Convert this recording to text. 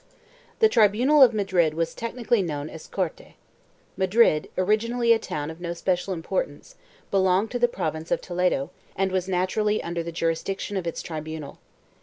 The tribunal of Madrid was technically known as Corte* Madrid, originally a town of no special importance, belonged to the province of Toledo and was naturally under the jurisdiction of its tribunal.